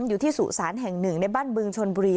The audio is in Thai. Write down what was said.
อยู่ที่สุสานแห่งหนึ่งในบ้านบึงชนบุรี